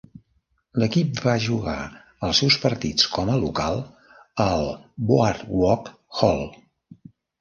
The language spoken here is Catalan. L'equip va jugar els seus partits com a local al Boardwalk Hall.